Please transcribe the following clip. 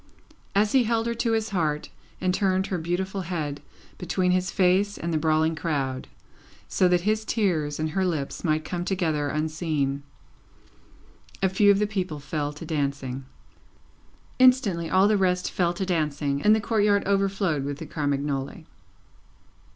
As he held her to his heart and turned her beautiful head between his face and the brawling crowd, so that his tears and her lips might come together unseen, a few of the people fell to dancing. Instantly, all the rest fell to dancing, and the courtyard overflowed with the Carmagnole.